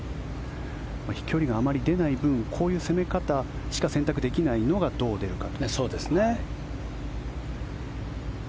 飛距離があまり出ない分こういう攻め方しか選択できないのがどう出るか。